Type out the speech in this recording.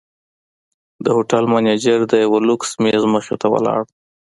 د هوټل منیجر د یوه لوکس میز مخې ته ولاړ و.